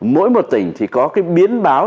mỗi một tỉnh thì có cái biến báo